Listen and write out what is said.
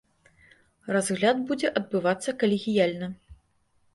Разгляд будзе адбывацца калегіяльна.